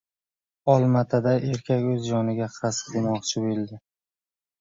Olmaotada erkak o‘z joniga qasd qilmoqchi bo‘ldi